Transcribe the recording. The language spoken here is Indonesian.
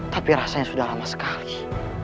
tapi rasanya sudah lama sekali